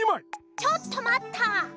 ちょっとまった！